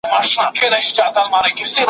انځورونه پام اړوي.